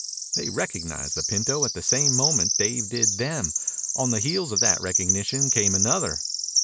They recognized the pinto at the same moment Dave did them. On the heels of that recognition came another.